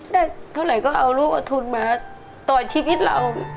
ได้เท่าไหร่ก็เอาลูกเอาทุนมาต่อชีวิตเรา